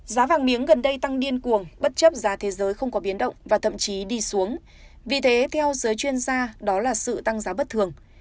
giá vàng miếng gần đây tăng điên cuồng bất chấp giá thế giới không có biến động và thậm chí đi xuống vì thế theo giới chuyên gia đó là sự tăng giá bất thường